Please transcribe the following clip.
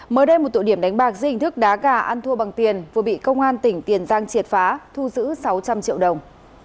mới đây một tụ điểm đánh bạc dây hình thức đá gà ăn thua bằng tiền vừa bị công an tỉnh tiền giang triệt phá thu giữ sáu trăm linh triệu đồng